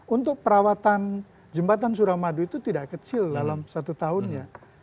untuk perawatan jembatan suramadu itu tidak kecil dalam satu tahunnya